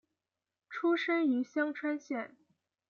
出身于香川县。